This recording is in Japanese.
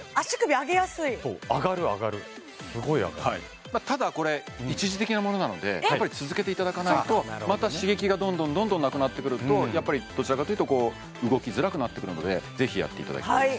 すごい上がるはいただこれ一時的なものなのでやっぱり続けていただかないとまた刺激がどんどんどんどんなくなってくるとやっぱりどちらかというとこう動きづらくなってくるのでぜひやっていただきたいです